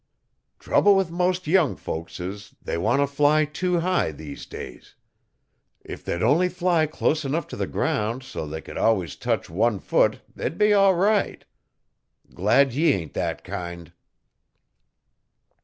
Trouble with most young folks is they wan' to fly tew high, these days. If they'd only fly clus enough t'the ground so the could alwuss touch one foot, they'd be all right. Glad ye ain't thet kind.